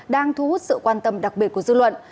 đang thu hút sự quan tâm đặc biệt của dư luận